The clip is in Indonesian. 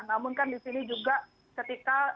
namun kan di sini juga ketika